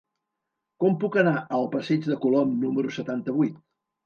Com puc anar al passeig de Colom número setanta-vuit?